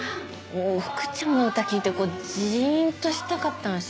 福ちゃんの歌聴いてジンとしたかったのにさ